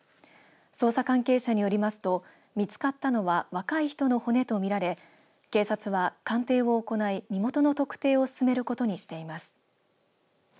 捜査関係者によりますと見つかったのは若い人の骨とみられ警察は鑑定を行い身元の特定を進めることにしています。